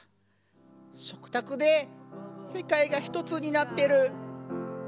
食卓で世界が一つになってる。